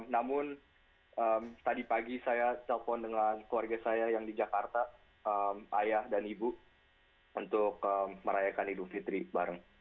namun tadi pagi saya telepon dengan keluarga saya yang di jakarta ayah dan ibu untuk merayakan idul fitri bareng